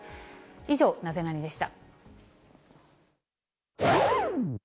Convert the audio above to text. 以上、ナゼナニっ？でした。